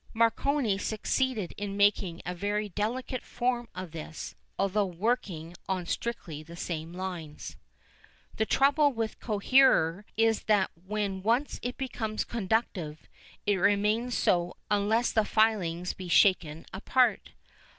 Marconi succeeded in making a very delicate form of this, although working on strictly the same lines. The trouble with a coherer is that when once it becomes conductive it remains so unless the filings be shaken apart.